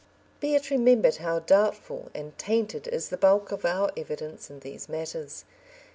Be it remembered how doubtful and tainted is the bulk of our evidence in these matters.